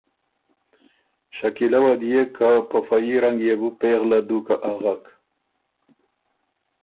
شکیلۀ وه ديېک که په فه يي رنګ يې بو پېغله دُوکه اغک